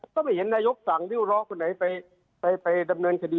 ก็ไม่เห็นนายกสั่งริ้วร้อคนไหนไป